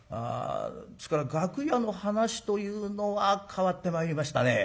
ですから楽屋の話というのは変わってまいりましたね。